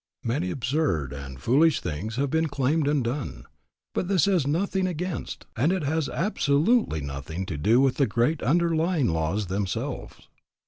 Many absurd and foolish things have been claimed and done; but this says nothing against, and it has absolutely nothing to do with the great underlying laws themselves.